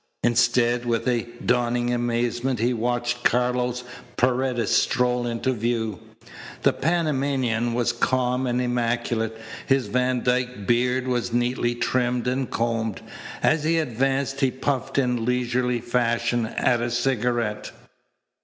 Instead with a dawning amazement he watched Carlos Paredes stroll into view. The Panamanian was calm and immaculate. His Van Dyke beard was neatly trimmed and combed. As he advanced he puffed in leisurely fashion at a cigarette.